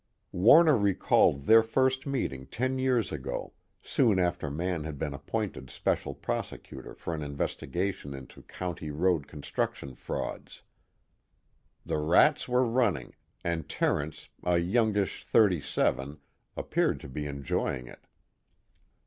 Warner recalled their first meeting ten years ago, soon after Mann had been appointed special prosecutor for an investigation into county road construction frauds. The rats were running, and Terence, a youngish thirty seven, appeared to be enjoying it.